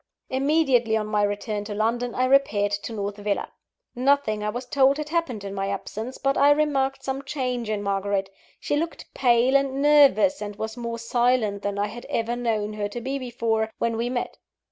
Immediately on my return to London I repaired to North Villa. Nothing, I was told, had happened in my absence, but I remarked some change in Margaret. She looked pale and nervous, and was more silent than I had ever known her to be before, when we met.